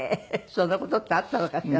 そんな事ってあったのかしらね。